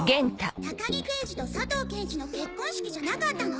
高木刑事と佐藤刑事の結婚式じゃなかったの？